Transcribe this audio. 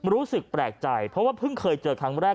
รู้สึกแปลกใจเพราะว่าเพิ่งเคยเจอครั้งแรก